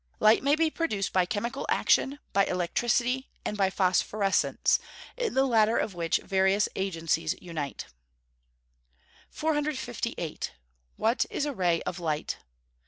_ Light may be produced by chemical action, by electricity, and by phosphoresence, in the latter of which various agencies unite. 458. _What is a ray of light?